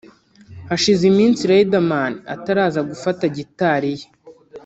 Hashize iminsi Riderman ataraza gufata gitari ye